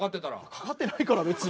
かかってないから別に。